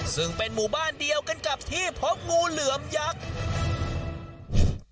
ซึ่งเป็นหมู่บ้านเดียวกันกับที่พบงูเหลือมยักษ์